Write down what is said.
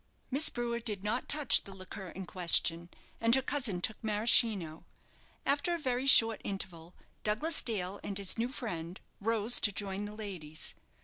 Miss Brewer did not touch the liqueur in question, and her cousin took Maraschino. After a very short interval, Douglas Dale and his new friend rose to join the ladies.